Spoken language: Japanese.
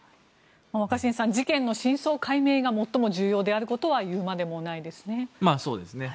若新さん事件の真相解明が最も重要であることは言うまでもないですね。